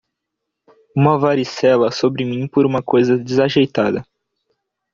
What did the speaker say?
Uma varicela sobre mim por uma coisa desajeitada.